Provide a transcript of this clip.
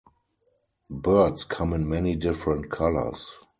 Birds come in many different colors.